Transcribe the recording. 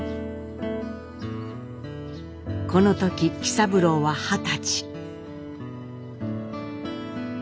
この時喜三郎は二十歳。